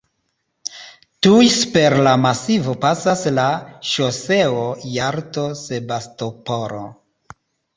Tuj super la masivo pasas la ŝoseo Jalto-Sebastopolo.